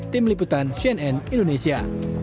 tim liputan cnn indonesia